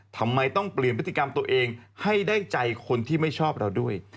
ทำไมต้องเปลี่ยนพฤติกรรมตัวเองให้ได้ใจคนที่ไม่ชอบเราด้วย